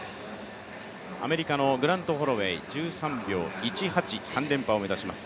アメリカのグラント・ホロウェイ、１３秒１８、３連覇を目指します。